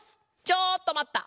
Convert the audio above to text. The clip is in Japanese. ちょっとまった！